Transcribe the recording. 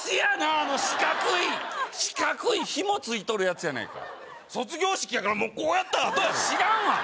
あの四角い四角いヒモついとるやつやないか卒業式やからもうこうやったあとやろ知らんわ